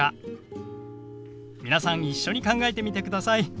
皆さん一緒に考えてみてください。